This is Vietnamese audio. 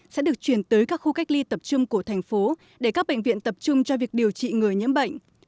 sẽ được chuyển tới các khu cách ly tập trung của thành phố để các bệnh viện tập trung cho việc điều trị người nhiễm bệnh